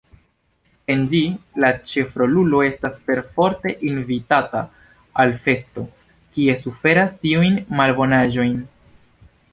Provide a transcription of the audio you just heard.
En ĝi la ĉefrolulo estas perforte invitata al festo kie suferas tiujn malbonaĵojn.